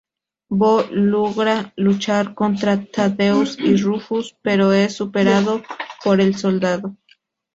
Bo logra luchar contra Thaddeus y Rufus, pero es superado por el soldado.